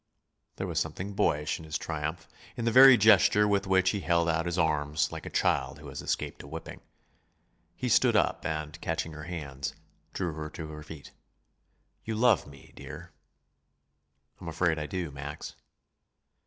There was something boyish in his triumph, in the very gesture with which he held out his arms, like a child who has escaped a whipping. He stood up and, catching her hands, drew her to her feet. "You love me, dear." "I'm afraid I do, Max."